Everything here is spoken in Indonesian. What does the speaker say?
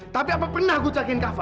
tapi apa pernah gue cekin kafa